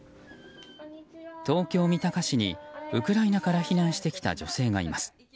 東京・三鷹市にウクライナから避難してきた女性がいます。